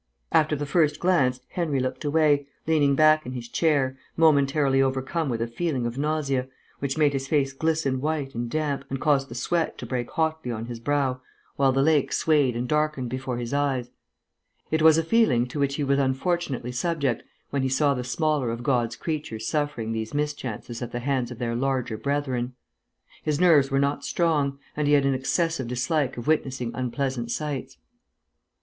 After the first glance Henry looked away, leaning back in his chair, momentarily overcome with a feeling of nausea, which made his face glisten white and damp, and caused the sweat to break hotly on his brow, while the lake swayed and darkened before his eyes. It was a feeling to which he was unfortunately subject when he saw the smaller of God's creatures suffering these mischances at the hands of their larger brethren. His nerves were not strong, and he had an excessive dislike of witnessing unpleasant sights.